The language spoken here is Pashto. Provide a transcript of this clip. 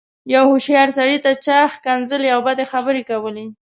يوه هوښيار سړي ته چا ښکنځلې او بدې خبرې کولې.